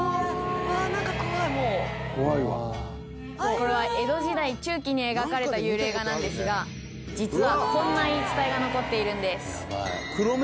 「これは江戸時代中期に描かれた幽霊画なんですが実はこんな言い伝えが残っているんです」